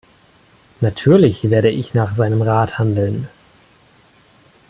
Natürlich werde ich nach seinem Rat handeln.